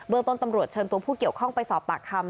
เมืองต้นตำรวจเชิญตัวผู้เกี่ยวข้องไปสอบปากคำ